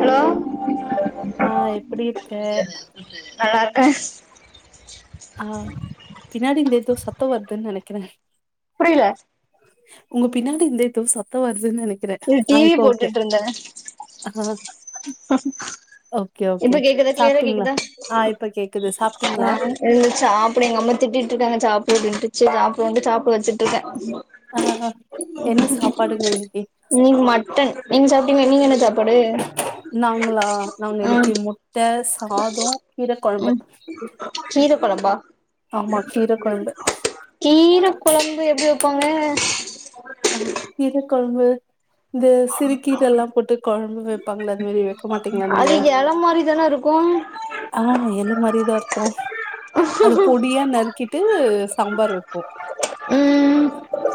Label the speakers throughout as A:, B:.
A: Hello
B: ஆ எப்டி இருக்க
A: நல்லாருக்கே
B: ஆ பின்னாடி இருந்து ஏதோ சத்தவர்துனு நெனைக்கிறே
A: புரில
B: உங்க பின்னாடி இருந்து ஏதோ சத்தோ வருதுன்னு நெனைக்
A: இது டி வி போட்டுட்டுருந்தே
B: ஆ ஓகே
A: இப்ப
B: ஓகே
A: கேக்குதா கிளியரா
B: சாப்ட்டீங்களா
A: கேக்குதா
B: ஆ இப்ப கேக்குது சாப்ட்டீங்களா
A: ஆ ஏ சாப்பிட எங்க அம்மா திட்டிட்டு இருக்காங்க சாப்டு அப்டின்ட்டு சேரி சாப்டுவோன்டு சாப்ட வச்சுட்டு இருக்கே
B: ஆ என்ன சாப்பாடுங்க இன்னைக்கு
A: இன்னைக்கு மட்டன் நீங்க சாப்டீங்க நீங்க என்ன சாப்
B: நாங்ளா நாங்க
A: ம்
B: இன்னைக்கு முட்டை சாதம் கீர கொழம்பு
A: ம் கீர கொழம்பா
B: ஆமா கீர கொழம்பு
A: கீர கொழம்பு எப்டி வைப்பாங்க
B: ஆ கீர கொழம்பு இந்த சிறுக்கீரைல்லாம் போட்டு கொழம்பு வைப்பாங்களே அது மாரி வைக்க மாட்டீங்ளா நீங்க
A: இப்டிதான இருக்கு
B: ஆ எல்லு மாரிதா இருக்கு அது பொடியா நறுக்கி வட்டு சாம்பர் வைப்போ
A: உம்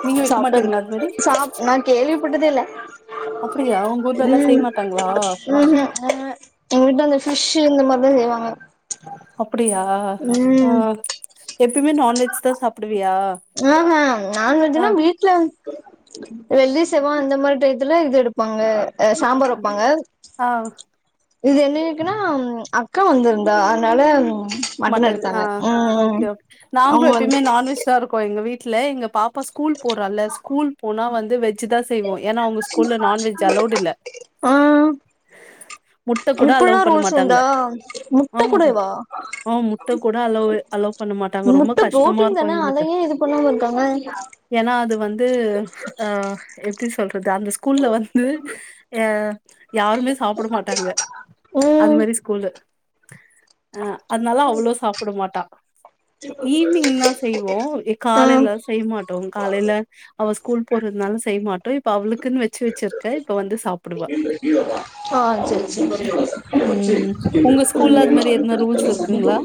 B: நீங்க வைக்க
A: சாப்டது க
B: மாட்டீங்களா அது மாரி
A: சாப் நா கேள்விபட்டதே இல்ல
B: அப்டியா உங்க ஊர்ல எல்லா செய்ய
A: உம்
B: மாட்டாங்களா
A: ம் ம் எங்க வீட்டுல அந்த பீஷ்சு இந்த மாதிரிதா செய்வாங்க
B: அப்படியா ஆ
A: ம்
B: எப்பயுமே நான்வெஜ் தா சாப்பிடுவியா
A: ஆ ஆ நான் வெஜினா மீன் வீட்டுல வெள்ளி செவ்வா அந்த மாரி டயத்துல இது எடுப்பாங்க ஆ சாம்பார் வெப்பாங்க
B: ஆ
A: இது என்ன இருக்குன்னா அக்கா வந்திருந்தா அதனால
B: மட்டன் ஆ
A: எடுத்தாங்க ம்
B: ஓக்கே ஓகே நாங்களு
A: அவங்க வந்து
B: எப்பயுமே நான்வெஜ் ஜா இருக்கு எங்க வீட்டுல எங்க பாப்பா ஸ்கூல் போறல்ல ஸ்கூல் போனா வந்து வெஜ் வெஜ்சு தா செய்வோ ஏன்னா அவங்க ஸ்கூல்ல நான்வெஜ் அலௌடு இல்ல
A: ஆ
B: முட்ட கூட
A: இப்பல்லா
B: அளோவ் பண்ண
A: ரூல்ஸ்
B: மாட்டாங்க
A: உண்டா
B: ஆ
A: முட்ட கூடவா
B: ஆ முட்ட கூட அலோவ் அலோ பண்ண மாட்டாங்க ரொம்ப
A: முட்ட
B: கஷ்டமா
A: புரோட்டீன்
B: இருக்கு
A: தான அத
B: எங்களுக்கு
A: ஏ இது பண்ணாம இருக்காங்க
B: ஏன்னா அது வந்து அ எப்படி சொல்றது அந்த ஸ்கூல்ல வந்து எ யாருமே சாப்பட மாட்டாங்க அது
A: ம்
B: மாரி ஸ்கூல்லு அதுனால அவ்ளோ சாப்பிட மாட்டா ஈவினிங்னா செய்வோ
A: ஆ
B: காலையில செய்ய மாட்டோ காலையில அவ ஸ்கூல் போறதுனால செய்ய மாட்டோ இப்போ அவளுக்குன்னு வெச்சு வெச்சிருக்க இப்ப வந்து சாப்பிடுவா
A: ஆ சேரி சேரி
B: உம் உங்க ஸ்கூல்ல அது மாதிரி எதனா ரூல்ஸ் இருக்குங்களா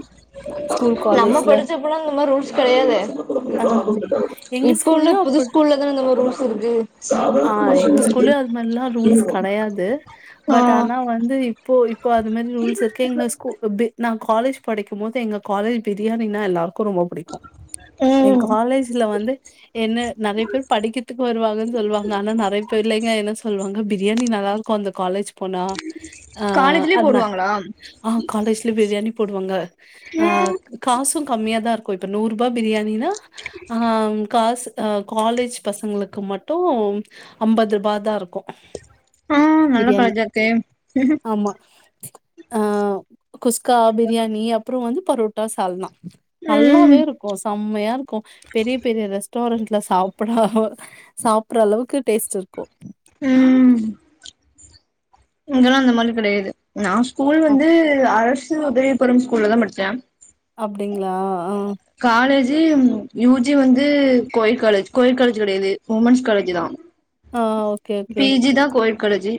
B: ஸ்கூல்
A: நம்ம
B: காலேஜ்ல
A: படிச்சப் போல இந்த மாரி ரூல்ஸ் கெடையாதே
B: ஆ எங்க
A: இப்ப உள்ள
B: ஸ்கூல்லயு
A: புது
B: அப்டி
A: ஸ்கூல்ல தானே இந்த மாதிரி ரூல்ஸ் இருக்கு
B: ஆ எங்க ஸ்கூல்லயு அது மாதிரல்லா ரூல்ஸ் கெடையாது
A: ஆ
B: பட் ஆனா வந்து இப்போ இப்போ அது மாதிரி ரூல்ஸ் இருக்கு எங்கஸ்கூல் எப்டி காலேஜ் படிக்கும் போது எங்க காலேஜ் பிரியாணின்னா எல்லாருக்கு ரொம்ப பிடிக்கு எ
A: ம்
B: காலேஜ்ல வந்து என்ன நிறைய பேர் படிக்கிறதுக்கு வருவாங்கன்னு சொல்லுவாங்க ஆனா நிறைய பேர் இல்லைங்க என்ன சொல்லுவாங்க பிரியாணி நல்லா இருக் குந்த காலேஜ் போனா ஆ
A: காலேஜ்லயே
B: அண்ணா
A: போடுவாங்களா
B: ஆ காலேஜ்ல பிரியாணி போடுவாங்க ஆ
A: ம்
B: காசு கம்மியாதா இருக்கு இப்ப நூறு ரூபா பிரியாணினா ஆ காசு ஆ காலேஜ் பசங்களுக்கு மட்டு அம்பது ரூபா தா இருக்கு
A: ஆ நல்ல
B: பிரியாணி
A: காலேஜா இருக்கே
B: ஆமா ஆ குஸ்கா பிரியாணி அப்புறோ வந்து போரோட்டா சால்னா நல்லாவே
A: ம்
B: இருக்கு செம்மையா இருக்கு பெரிய பெரிய ரேஸ் டாரன்டுல சாப்பிட சாப்பற அளவுக்கு டேஸ்ட் இருக்கு
A: ம் இங்கெல்லா அந்த மாதிரி கெடையாது நா ஸ்கூல்
B: அ.
A: வந்து அரசு உதவி பெறும் ஸ்கூல்ல தா படிச்சே
B: அப்பிடிங்களா ஆ
A: காலேஜ்ஜி யூ ஜி வந்து கோயிட் காலேஜ் கோயிட் காலேஜ் கெடையாது உமென்ஸ் காலேஜ் தா
B: ஆ ஓ
A: பி ஜி தா கோயிட் காலேஜ்ஜி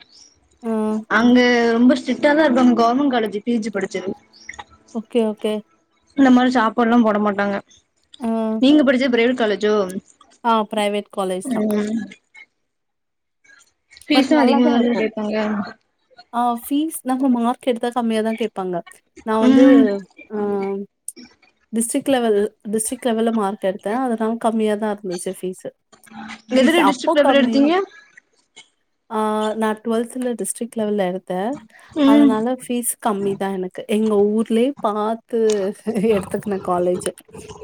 B: ஆ
A: அங்க ரொம்ப சிட் சிரிட்டா தா இருப்பாங்க கவர்மெண்ட் காலேஜ் பி ஜி படிச்சது
B: ஓகே ஓகே
A: இந்த மாரி சாப்பாடுல்லா போட மாட்டாங்க
B: ஆ
A: நீங்க படிச்சது பிரைவேட் காலேஜ்ஜோ
B: ஆ பிரைவேட் காலேஜ் தா
A: ம்
B: பட்
A: ஃபீஸு
B: நல்லா
A: அதிகமா
B: தான்
A: தான
B: இருக்கும்.
A: கேப்பாங்க
B: ஆ ஃபீஸ் நம்ம மார்க் எடுத்தா கம்மியாதா கேப்பாங்க நா வந்து
A: ம்
B: ஆ டிஸ்ட்ரிக் லெவல் டிஸ்ரிக் லெவல்ல மார்க் எடுத்தே அதனால கம்மியாதா இருந்துச்சு ஃபீஸ் ஃபீஸ்
A: எதுல
B: அப்போ
A: டிஸ்ட்ரிக்ட்ல பேர்
B: கம்மி
A: எடுத்தீங்க
B: ஆ நா டுவெல்த்ல டிஸ்ரிக்ட் லெவல்ல எடுத்தே
A: ம்
B: அதனால ஃபீஸ் கம்மிதா எனக்கு எங்க ஊர்லே பாத்து எடுத்துக்கனு காலேஜ்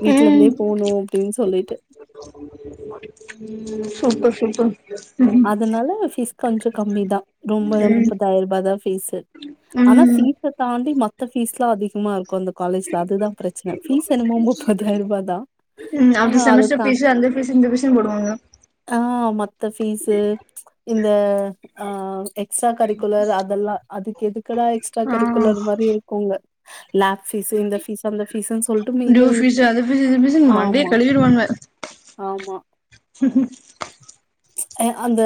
B: வீட்லருந்தே போனு அப்டின் சொல்லிட்டு
A: ம் சூப்பர் சூப்பர்
B: அதனால ஃபீஸ் கொஞ்சோ கம்மி தா ரொம்ப முப்பதாய்ரூபா தா ஃபீஸு ஆனா
A: ம்
B: ஃபீஸ தாண்டி மத்த ஃபீஸ்லா அதிகமா இருக்கு அந்த காலேஜ்ல அதுதா பிரச்சன ஃபீஸ் என்னமோ முப்பதாய்ருபா தா
A: ம்
B: ஆனா அது
A: செமஸ்டர்
B: தா
A: ஃபீஸு அந்த ஃபீஸு இந்த விசயோ போடுவாங்க
B: ஆஹ் மத்த ஃபீஸ்சு இந்த ஆஹ் எக்ஸ்ட்ரா கரிக்குலர் அதெல்லா அதுக்கு எதுக்கடா எக்ஸ்ட்ரா
A: ஆ
B: கரிக்குலர் மாதிரி இருக்குங்க லேப் பீஸ்சு இந்த பீஸ்சு அந்த பீஸ்ன்னு சொல்ட்டு
A: டியூ
B: மீதியு
A: ஃபீஸு அது ஃபீஸு இது ஃபீஸுன்னு மண்டைய
B: ஆமா
A: கழுவிடுவானுவ
B: ஆமா அந்த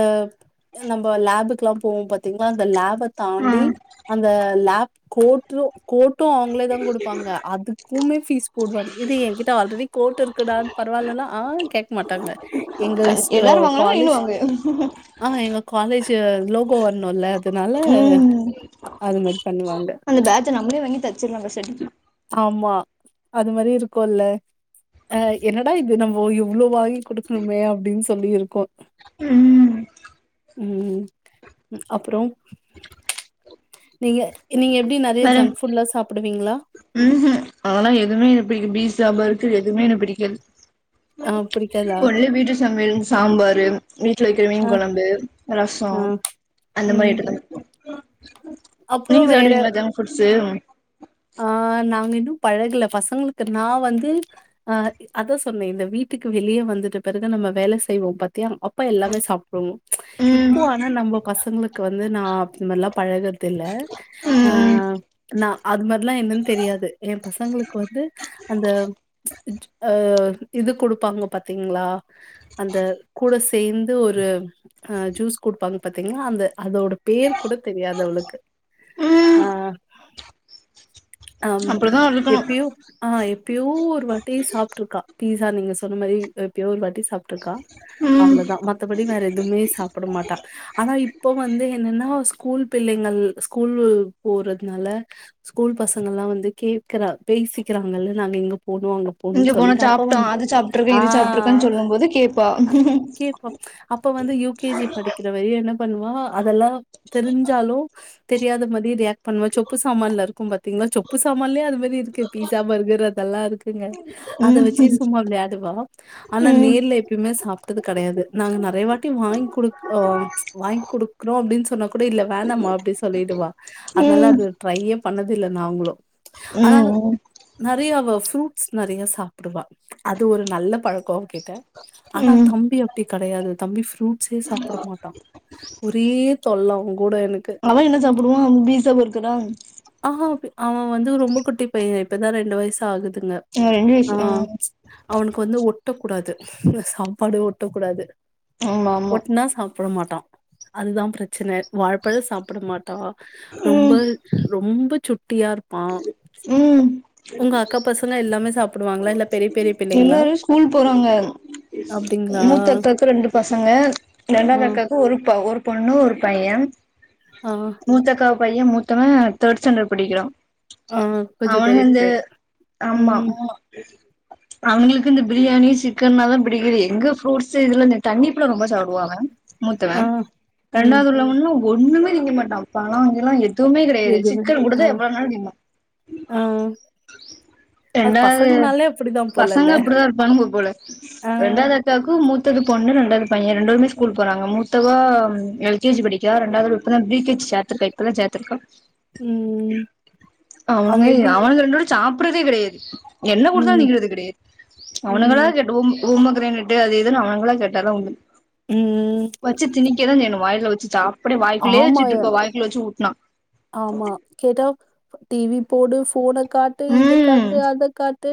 B: நம்ம லேப்க்குல்லா போவோம் பாத்தீங்ளா அந்த லேப்ப தாண்டி
A: ம்
B: அந்த லேப் கோர்ட்டு கோர்ட்டு அவங்களே தா குடுப்பாங்க அதுக்குமே ஃபீஸ் போடுவாங்க இது என்கிட்ட ஆல்ரெடி கோர்ட் இருக்குடான் பரவால்லனா ஆ கேக்க மாட்டாங்க எங்க காலேஜ்
A: ன்னுவாங்க
B: ஆ எங்க காலேஜ் லோகோ வர்ணுல அதனால
A: ம்
B: அது மாரி பண்ணுவாங்க
A: அந்த பேட்ஜ நம்மளே வாங்கி தச்சிர்லா பெசாட்டிக்கு
B: ஆமா அது மாரி இருக்குல்ல ஆ என்னடா இது நம் ஓ இவ்ளோ வாங்கி குடுக்கணுமே அப்டின் சொல்லியிருக்கு
A: ம்
B: ம் அப்புறோ நீங்க நீங்க எப்டி நெறையா
A: வேற
B: ஜங்க் ஃபுட்லா சாப்டுவீங்களா
A: ம்ஹூம் அதல்லா எதுமே பிடிக் பீசா பர்கர் எதுமே எனக்கு பிடிக்காது
B: ஆ புடிக்காதா?
A: ஒன்லி வீட்டு சமையல் சாம்பாரு வீட்ல வெக்கற
B: ஆ
A: மீன் கொழம்பு ரசோ
B: ஆ
A: அந்த மாரி
B: ம்
A: ஐட்டம் தா பிடிக்கு
B: அப்றோ
A: நீங்க
B: வேற
A: சாப்டுவீங்களா ஜங்க் ஃபுட்ஸு
B: ஆ நாங்க இன்னு பழகல பசங்களுக்கு நா வந்து அ அதா சொன்னே இந்த வீட்டுக்கு வெளிய வந்துட்டு பிறகு நம்ம வேல செய்வோ பத் தியா அப்ப எல்லாமே சாப்டுவோ
A: ம்
B: இப்போ ஆனா நம்ப பசங்களுக் கு வந்து நா இந்த மாரி லா பழகறதில்ல
A: ம்
B: அ
A: ம்
B: நா அது மாரிலா என்னன் தெரியாது எ பசங்களுக்கு வந்து அந்த அ இது குடுப்பாங்க பாத்தீங்களா அந்த கூட சேந்து ஒரு அ ஜூஸ் குடுப்பாங்க பாத்தீங்களா அந்த அதோட பேர் கூட தெரியாது அவளுக்கு ஆ
A: ம்
B: அம்
A: அப்டிதா இருக்கணு
B: எப்பயோ ஆ எப்பயோ ஒரு வாட்டி சாப்ட்டுருக்கா பீஸா நீங்க சொன்ன மாரி எப்போயோ ஒரு வாட்டி சாப்ட்டுருக்கா
A: ம்
B: அவ்வளதா மத்தபடி வேற எதுமே சாப்ட மாட்டா ஆனா இப்ப வந்து என்னன்னா ஸ்கூல் பிள்ளைங்கள் ஸ்கூல்லு போறதுனால ஸ்கூல் பசங்கலாம் வந்து கேக்கற பேசிக்கிறாங்கல்ல நாங்க இங்க போனோ அங்க போணு
A: இங்க போனா
B: சொல்லிட்டு அப்ப
A: சாப்ட்டோ
B: வந்து
A: அது சாப்ட்ருக்கே
B: ஆ
A: இது சாப்ட்ருக்கேன்னு சொல்லும் போது கேப்பா ம்
B: கேப்பா அப்ப வந்து யு கே ஜி படிக்கிற வரையு என்ன பண்ணுவா அதெல்லா தெரிஞ்சாலு தெரியாத மாதி ரியாக்ட் பண்ணுவ சொப்பு சாமான்ல இருக்கும் பாத் தீங்களா சொப்பு சாமான்லயே அது மாரி இருக்கு பீஸா பர்கர் அதெல்லா இருக்குங்க அத
A: ம்
B: வச்சு சும்மா விளையாடுவா ஆனா
A: ம்
B: நேர்ல எப்பயுமே சாப்ட்டது கெடையாது நாங்க நெறைய வாட்டி வாங்கி குடுக் ஆ வாங்கி குடுக்றோ அப்டின்னு சொன்னா கூட இல்ல வேணாம்மா அப்டின்னு சொல்லிடுவா அதனால
A: ம்
B: அது ட்ரையே பண்ணத் தில்ல நாங்களு ஆனா
A: ம் ம்
B: நெறைய அவ ஃப்ரூட்ஸ் நெறைய சாப்டுவா அது ஒரு நல்ல பழக்கம் அவகிட்ட ஆனா
A: ம்
B: தம்பி அப்டி கடையாது தம்பி ஃப்ரூட்ஸ்ஸே சாப்ட மாட்டா ஒரே தொல்ல அவங்கூட எனக்கு
A: அவ என்ன சாப்டுவா பீஸா பர்கரா
B: ஆஹா அப்டி அவ வந்து ரொம்ப குட்டி பைய இப்பதா ரெண்டு வயசு ஆகுதுங்க ஆ அவனுக்கு வந்து ஒட்டக்கூடாது இந்த சாப்பாடு ஒட்டக்கூடாது
A: ஆமா ஆமா
B: ஒட்னா சாப் சாப்ட மாட்டா அதுதா பிரச்சன வாழப்பழம் சாப்ட மாட்டா ரொம்ப
A: ம்
B: ரொம்ப சுட்டியா இருப்பான்
A: ம்
B: உங்க அக்கா பசங்க எல்லாமே சாப்டுவாங்களா இல்ல பெரிய பெரிய பிள்ளைங்களா?
A: எல்லாரு ஸ்கூல் போறாங்க
B: அப்டிங்களா?
A: மூத்த அக்காக்கு ரெண்டு பசங்க
B: ஆ,
A: ரெண்டாவது அக்காக் ஒரு ப ஒரு பொண்ணு ஒரு பையன்
B: ஆ ஆ
A: மூத்தக்கா பைய மூத்தவன் தேர்ட் ஸ்டாண்டர்ட் படிக்கிறா
B: ஆ கொஞ்சம்
A: அவனு
B: பெரிய
A: வந்து
B: பிள்ளை.
A: ஆமா ம் அவனுங்களுக்கு இந்த பிரியாணி சிக்கன்னா தா பிடிக்குது எங்க ஃப்ரூட்ஸ்ஸு இதுல இந்த தண்ணிப்பழோ ரொம்ப சாப்டுவாங்க
B: ஆ,
A: மூத்தவன்
B: ம்.
A: ரெண்டாவது உள்ளவனு ஒன்னுமே திங்க மாட்டா பழோ கிழோ எ துமே கெடையாது
B: எதுவுமே
A: சிக்கன்
B: ஆ.
A: குடுத்தா எவ்ளோனாலு திம்பா
B: ஆ. அது
A: ரெண்டாவது
B: பசங்கனாலே அப்படிதான் போலல்ல.
A: பசங்க அப்டிதா இருப்பாணுங்க போல
B: ஆ.
A: ரெண்டாவது தாக்கு மூத்தது பொண்ணு ரெண்டாது பைய ரெண்டு பேருமே ஸ்கூல்க்கு போறாங்க மூத்தவ எல் கே ஜி படிக்கிறா ரெண்டாவது இப்ப தா ப்ரி கே ஜி சேத்துருக்க இப்ப தா சேத்துருக்க
B: ம். அவங்க
A: அவனுங்க
B: எப்படி?
A: அவனுங்க ரெண்டு பேரு சாப்ட்றதே கெடையாது என்ன குடுத்தாலு
B: ம்.
A: திங்கறது கெடையாது அவனுங்களா
B: ம்.
A: டோம் உமோக்ரனைட்டு அது இதுன்னு அவனுங்களா கேட்ட தா உண்டு
B: ம்
A: வச்சு திணிக்க தா செய்ணு வாய்ல வச்சி சாப் அப்டி வாய்க்குள்ளயே
B: ஆமா,
A: வச்சுட்டுருப்பா வாய்க்குள்ள வச்சு ஊட்னா
B: ஆமா கேட்டா டி வி போடு ஃபோனக் கா ட்டு இத
A: ம்
B: காட்டு அத காட்டு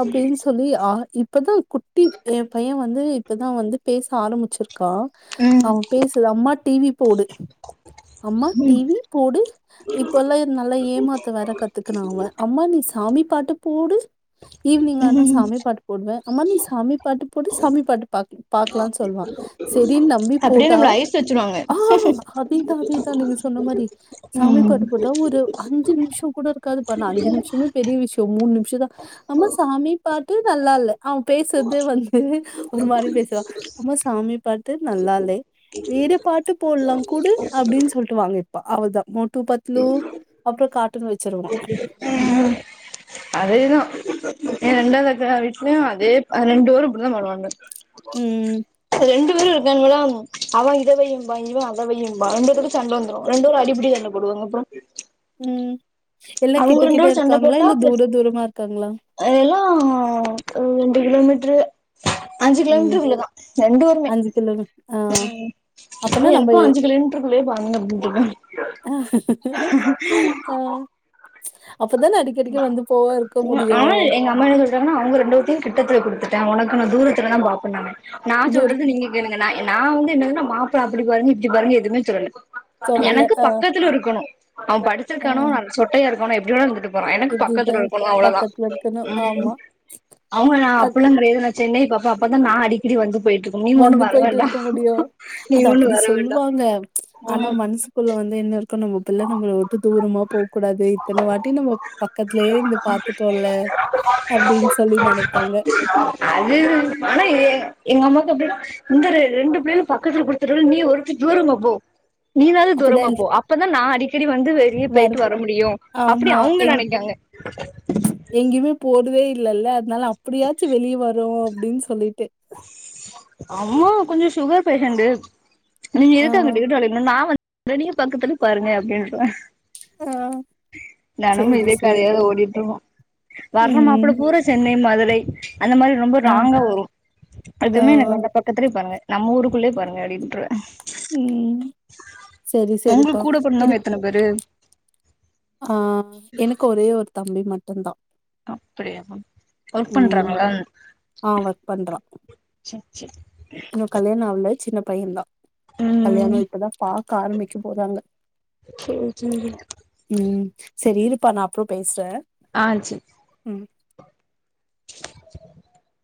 B: அப்டின்னு சொல்லி ஆ இப்பதா குட்டி எ பையே வந்து இப்பதா வந்து பேச ஆரம்பிச்சிருக்கா
A: ம்
B: அவ பேச லம்மா டி வி போடு அம்மா டி வி போடு இப்பல்லா எ நல்லா ஏமாத்த வேற கத்துக்குன்ன அவே அம்மா நீ சாமி பாட்டு போடு ஈவினிங் ஆனா
A: ம் ம்
B: சாமி பாட்டு போடுவ அம்மா நீ சாமி பாட்டு போடு சாமி பாட்டு பாக்லா பாக்கலான்னு சொல்வா செரின்னு நம்பி
A: அப்டியே
B: போட்டா
A: நம்மள ஐஸ் வச்சிருவாங்க
B: ஆ அதேதா அதேதா நீங்க சொன்ன மாரி சாமி
A: ம்
B: பாட்டு போட்டா ஒரு அஞ்சு நிமிஷ கூட இருக்காதுப்பா நா அஞ்சு நிமிஷமே பெரிய விஷ்யோ மூணு நிமிஷ தா அம்மா சாமி பாட்டு நல்லால்ல அவ பேசுறதே வந்து ஒரு மாரி பேசுவா அம்மா சாமி பாட்டு நல்லால்லே வேற பாட்டு போட்லா குடு அப்டின்னு சொல்ட்டு வாங்கு ப்ப அவ்ள தா மோட்டு பத்லு அப்றோ கார்ட்டுன் வச்சிருவா
A: அதேதா எ ரெண்டாவது அக்கா வீட்லயு அதே அ ரெண்டு பேரு இப்டிதா பண்வானுங்க
B: ம்
A: ரெண்டு பேரு இவன்களாம் அவே இத வையுபா இவே அத வையும்பா ரெண்டுபேதுக்கு சண்டை வந்துடு ரெண்டுபேரு அடிப்படி சண்ட போடுவாங்க அப்றோ
B: ம் எல்லா
A: அவங்க
B: கிட்ட
A: ரெண்டு
B: கிட்ட இருக்காங்களா இல்ல தூர தூரமா இருக்காங்களா
A: அ எல்லா உ ரெண்டு கிலோமீட்டரு அஞ்சு
B: ம்
A: கிலோமீட்டருக்குள்ளதா ரெண்டு ஊருமே
B: கிலோமீ ஆ
A: ம்
B: அப்பனா
A: அது
B: நம்ம
A: எனக்கு
B: எ
A: அஞ்சு கிலோமீட்டருக்குள்ளயே பாருகங்க அப்டின்னுடுருவே
B: அ அப்பதான அடி கெடிகெடிக்க வந்து போவா இருக்க முடியு
A: ஆனா எங்க அம்மா என்ன சொல்றாங்கன்னா அவுங்க ரெண்டு வத்தையு கிட்டத்துல குடுத்துட்டே உனக்கு நா தூரத்துல தா பாப்பேணங்க நா
B: தூரத்து
A: சொல்றது நீங்க எனக்கு நா நா வுந்து என்னதுனா மாப்பிள்ள அப்டி பாருங்க இப்டி பாருங்க எதுமே சொல்லல
B: சொல்லல
A: எனக்கு
B: ஆ
A: பக்கத்துல இருக்கணு அவ
B: ஆ
A: படிச்சிருக்கானோ நல்ல சொட்டையா இருக்கணானோ எப்டிவேணாலு இருந்திட்டு போறா எனக்கு
B: எப்டிப்ப
A: பக்கத்துல இருக்கணு அவ்ளோதா
B: பக்கத்துல இருக்கணு
A: ம்
B: ஆமா
A: அவுங்க
B: அது
A: அப்பில்லா கெடயாதுல்ல சென்னை பாப்போ அப்பதா நா அடிக்கடி வந்து போயிட்டு ருக்
B: வந்து போயிட்டு இருக்க முடியு
A: நீ
B: அது
A: ஒண்ணு
B: அப்டி
A: வர வேண்டா
B: சொல்லுவாங்க ஆனா
A: ம்
B: மனசு புள்ள வந்து என்ன அர்தோ நம்ம பிள்ள நம்மள வுட்டு தூரமா போ கூடாது இத்தன வாட்டி நம்ம பக்கத்துலயே இருந்து பாத்துட்டோல்ல அப்டின்னு சொல்லி நெனைப்பாங்க
A: அது பணயே எங்க அம்மாக்கு அப்டியே இந்தாரு ரெண்டு பிள்ளைகளு பக்கத்துல குடுத்துட்டோ நீ ஒருத்தி தூரமா போ நீனாவது
B: அப்பதா
A: தூரமா
B: எல்
A: போ அப்பதா நா அடிக்கடி வந்து வெளிய
B: வர்
A: போயிட்டு வ ர முடியு அப்பிடி அவுங்க நெனைக்காங்க
B: எங்கயுமே போறதே இல்லல்ல அதனால அப்டியாச்சு வெளிய வரு அப்டின்னு சொல்லிட்டு
A: அம்மா கொஞ்சோ சுகர் பேஷண்ட் நீ
B: ஆ
A: எதுக்கு அங்கிட்டு இங்கிட்டு அலைற நா வந்து வெனியு பக்கத்துல பாருங்க அப்டின்னுடோ தெனமு
B: சேரி
A: இதே கதயாதா
B: சேரிப்பா
A: ஓடிட்டுருக்கு வர்ற மாப்பிள
B: ம்
A: பூரா சென்னை மதுரை அந்த மாரி ரொம்ப
B: ஆ
A: லாங்கா வரு
B: ஆ
A: அதுவுமே எனக்கு வேண்டா பக்கத்துலேயே பாருங்க நம்ம ஊருக்குள்ளயே பாருங்க அப்டின்றுவே
B: ம் செரி செரிப்பா இரு
A: வெரு
B: ஆ எனக்கு ஒரே ஒரு தம்பி மட்டு தா
A: அப்டியா பா ஒர்க் பண்றாங்களா
B: ஆ ஒர்க் பண்றா
A: சே சே
B: இன்னு கல்யாண ஆவல சின்ன பையே தா
A: ம்
B: கல்யாணோ இப்பதா பார்க்க ஆரம்பிக்க போறாங்க
A: சேரி சேரி
B: ம் சரி இருப்பா நா அப்பறோ பேசுறே
A: ஆ சேரி
B: ம்
A: [inaudible]